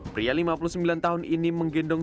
pria lima puluh sembilan tahun ini menggendong